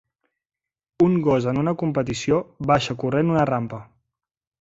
Un gos en una competició baixa corrent una rampa.